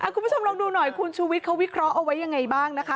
คุณผู้ชมลองดูหน่อยคุณชูวิทย์เขาวิเคราะห์เอาไว้ยังไงบ้างนะคะ